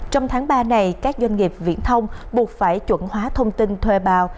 trong tháng ba này các doanh nghiệp viễn thông buộc phải chuẩn hóa thông tin thuê bao